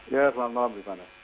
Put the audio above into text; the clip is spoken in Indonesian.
ya selamat malam